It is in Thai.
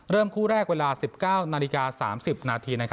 คู่แรกเวลา๑๙นาฬิกา๓๐นาที